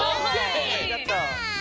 やった！